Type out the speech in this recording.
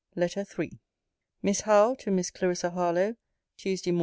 LETTER III MISS HOWE, TO MISS CLARISSA HARLOWE TUESDAY MORN.